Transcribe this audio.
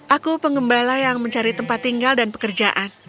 aku pengembala yang mencari tempat tinggal dan pekerjaan